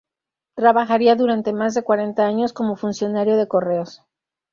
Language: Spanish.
Trabajaría durante más de cuarenta años como funcionario de Correos.